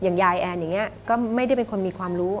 ยายแอนอย่างนี้ก็ไม่ได้เป็นคนมีความรู้